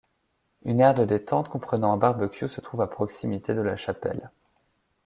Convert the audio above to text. Une aire de détente comprenant un barbecue se trouve à proximité de la chapelle.